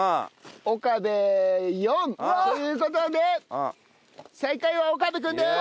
岡部４。という事で最下位は岡部君です！